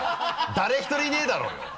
誰１人いねぇだろうよ！